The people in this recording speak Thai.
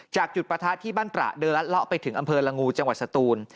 จุดประทะที่บ้านตระเดินลัดเลาะไปถึงอำเภอละงูจังหวัดสตูน